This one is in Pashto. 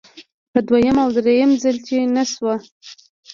په دویم او دریم ځل چې نشوه.